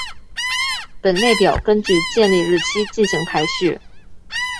本列表根据建立日期进行排序。